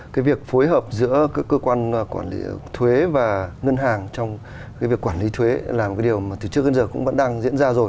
cái việc phối hợp giữa các cơ quan quản lý thuế và ngân hàng trong cái việc quản lý thuế là một cái điều mà từ trước đến giờ cũng vẫn đang diễn ra rồi